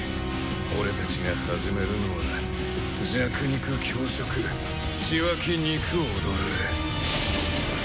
俺たちが始めるのは弱肉強食血湧き肉躍る。